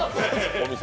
お店。